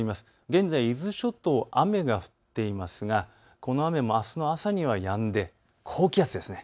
現在、伊豆諸島、雨が降っていますが、この雨もあすの朝にはやんで高気圧です。